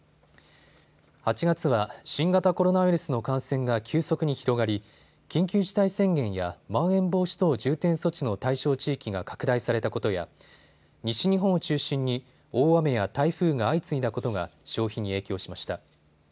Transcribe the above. ８月は新型コロナウイルスの感染が急速に広がり緊急事態宣言やまん延防止等重点措置の対象地域が拡大されたことや西日本を中心に大雨や台風が相次いだことが消費に影響しました。